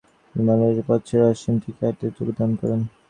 তিনি মৌজাদারের পদ ছেড়ে অসম টি কম্পানীতে যোগদান করেন।